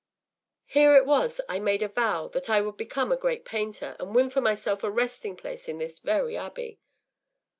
Here it was I made a vow that I would become a great painter, and win for myself a resting place in this very abbey.